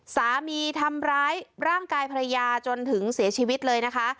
สามีทำร้ายร่างกายภรรยาจนถึงเสียชีวิตเลยนะคะ